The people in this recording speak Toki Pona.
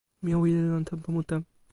mi o wile lon tenpo mute.